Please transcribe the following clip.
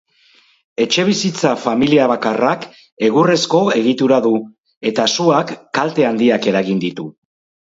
Etxebizitza familiabakarrak egurrezko egitura du, eta suak kalte handiak eragin ditu.